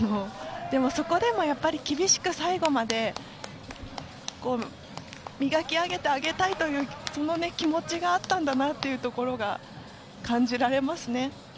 でも、そこでもやっぱり厳しく最後まで磨き上げてあげたいという気持ちがあったんだなというところが感じられますね。